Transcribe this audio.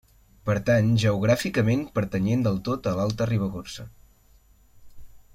Per tant, geogràficament pertanyent del tot a l'Alta Ribagorça.